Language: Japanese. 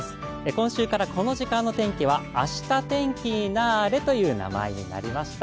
今週からこの時間の天気は「あした天気になーれ！」という名前になりました。